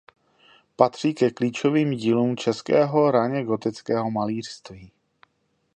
Patří ke klíčovým dílům českého raně gotického malířství.